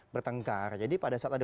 bertengkar jadi pada saat ada